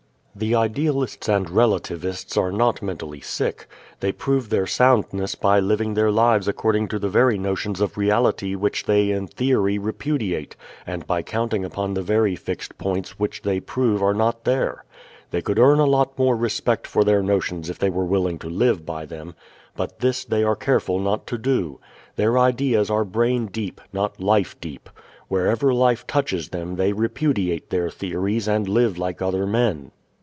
The idealists and relativists are not mentally sick. They prove their soundness by living their lives according to the very notions of reality which they in theory repudiate and by counting upon the very fixed points which they prove are not there. They could earn a lot more respect for their notions if they were willing to live by them; but this they are careful not to do. Their ideas are brain deep, not life deep. Wherever life touches them they repudiate their theories and live like other men.